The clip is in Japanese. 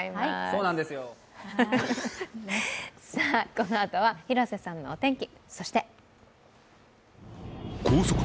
このあとは広瀬さんのお天気。